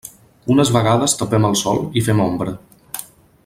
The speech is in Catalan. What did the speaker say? Unes vegades tapem el sol i fem ombra.